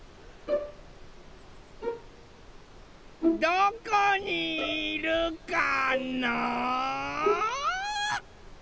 ・どこにいるかな？